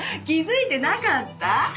気づいてなかった？